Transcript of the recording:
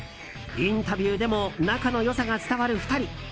インタビューでも仲の良さが伝わる２人。